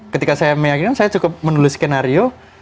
ketika saya meyakinkan saya cukup menulis skenario